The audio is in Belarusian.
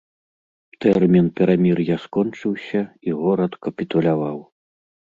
Тэрмін перамір'я скончыўся, і горад капітуляваў.